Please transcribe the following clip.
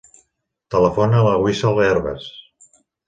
Telefona a la Wissal Hervas.